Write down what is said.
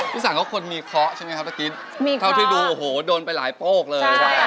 พี่สังเขาคนมีเคาะใช่ไงครับเมื่อกี้ถ้าที่ดูโอ้โหโดนไปหลายโป้กเลย